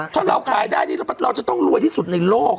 ถ้าเราขายได้นี่เราจะต้องรวยที่สุดในโลก